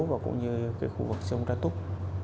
và cũng như khu vực sông đoan túc